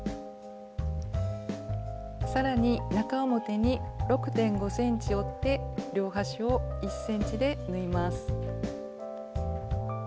さらに中表に６．５ｃｍ折って両端を１ｃｍで縫います。